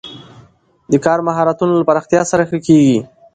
کار د مهارتونو له پراختیا سره ښه کېږي